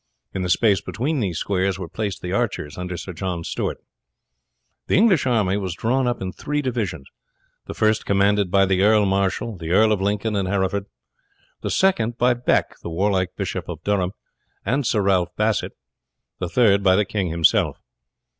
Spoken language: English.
In the space between these squares were placed the archers, under Sir John Stewart. The English army was drawn up in three divisions, the first commanded by the Earl Marechal, the Earl of Lincoln and Hereford; the second by Beck, the warlike Bishop of Durham, and Sir Ralph Basset; the third by the king himself.